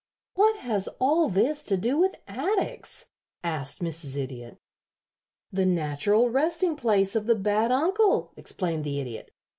"What has all this to do with attics?" asked Mrs. Idiot. "The natural resting place of the bad uncle," explained the Idiot.